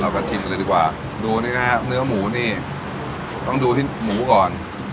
เรากัดชิมกันดีกว่าดูเนื้อหมูนี่ต้องดูที่หมูก่อน